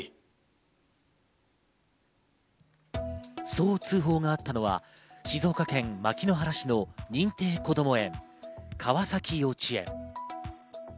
そう通報があったのは静岡県牧之原市の認定こども園、川崎幼稚園。